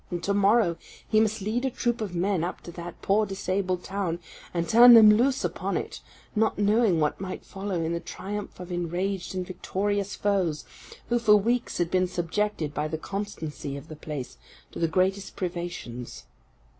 And to morrow he must lead a troop of men up to that poor disabled town, and turn them loose upon it, not knowing what might follow in the triumph of enraged and victorious foes, who for weeks had been subjected, by the constancy of the place, to the greatest privations.